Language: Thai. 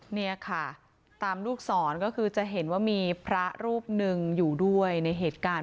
เนี่ยค่ะตามลูกศรก็คือจะเห็นว่ามีพระรูปหนึ่งอยู่ด้วยในเหตุการณ์